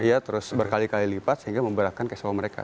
iya terus berkali kali lipat sehingga memperberatkan cash flow mereka